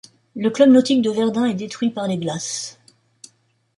Le club nautique de Verdun est détruit par les glaces.